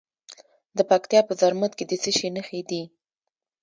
د پکتیا په زرمت کې د څه شي نښې دي؟